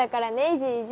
じいじ。